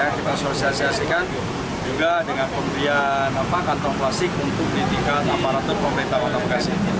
kita sosiasikan juga dengan pemberian kantong plastik untuk ditingkat aparatur pemerintah kota bekasi